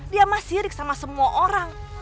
dia masih irik sama semua orang